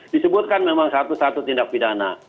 disebutkan memang satu satu tindak pidana